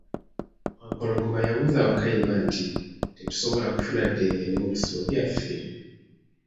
Wampologoma yabuuza Wakayima nti, tetusobola kufuna ddembe ne mubisibo byaffe?